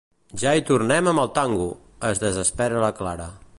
Ja hi tornem, amb el tango! —es desespera la Clara.